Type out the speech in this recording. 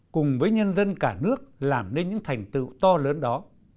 cùng với nhân dân cả nước làm nên những thành tựu to lớn đó